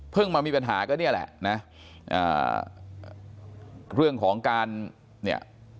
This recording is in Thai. มามีปัญหาก็เนี่ยแหละนะอ่าเรื่องของการเนี่ย